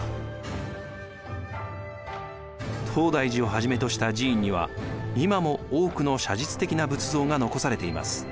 東大寺をはじめとした寺院には今も多くの写実的な仏像が残されています。